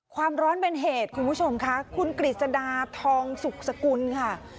ความร้อนเป็นเหตุคุณผู้ชมค่ะคุณกฤษดาทองสุขสกุลค่ะ